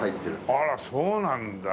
あらそうなんだ。